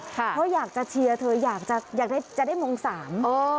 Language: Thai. เพราะอยากจะเชียร์เธออยากจะได้มงสาม